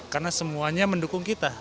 karena semuanya mendukung kita